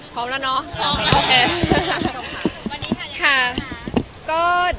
พร้อมแล้วเว้เฮ่